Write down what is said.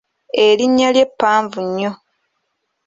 Erinnya lye ppanvu nnyo.